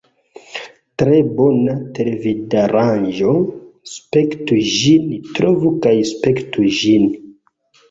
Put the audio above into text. Tre bona televidaranĝo; spektu ĝin trovu kaj spektu ĝin!